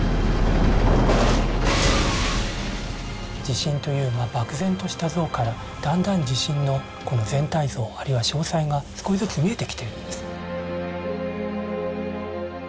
地震という漠然とした像からだんだん地震の全体像あるいは詳細が少しずつ見えてきているんです。